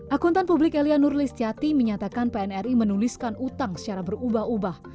akuntan publik elia nur listyati menyatakan pnri menuliskan hutang secara berubah ubah